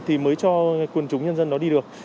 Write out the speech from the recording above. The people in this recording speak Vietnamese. thì mới cho quần chúng nhân dân đó đi được